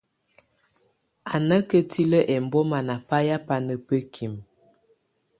Á nà ketilǝ́ ɛmbɔma nà bayɛ̀á banà bǝ́kimǝ.